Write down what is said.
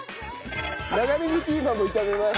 長ネギピーマンも炒めます。